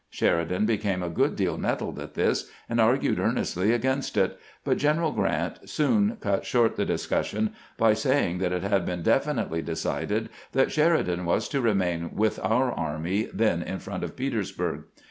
Sheridan became a good deal nettled at this, and argued earnestly against it; but Greneral G rant soon cut short the discussion by saying that it had been definitely decided that Sheridan was to remain with our army, then in front of Petersburg.